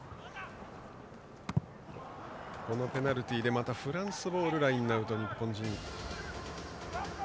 ペナルティーでフランスボールのラインアウト。